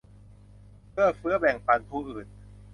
เอื้อเฟื้อแบ่งปันผู้อื่น